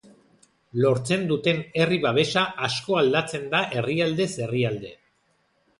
Lortzen duten herri babesa asko aldatzen da herrialdez herrialde.